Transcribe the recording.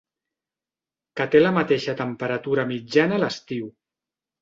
Que té la mateixa temperatura mitjana a l'estiu.